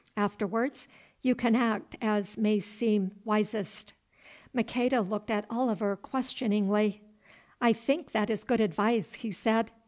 Afterwards you can act as may seem wisest." Maqueda looked at Oliver questioningly. "I think that is good advice," he said.